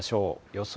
予想